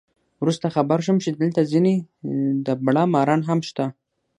وروسته خبر شوم چې دلته ځینې دبړه ماران هم شته.